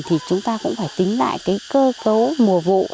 thì chúng ta cũng phải tính lại cái cơ cấu mùa vụ